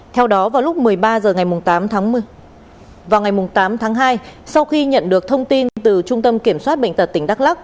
theo đó vào lúc một mươi ba h ngày tám tháng hai sau khi nhận được thông tin từ trung tâm kiểm soát bệnh tật tỉnh đắk lắc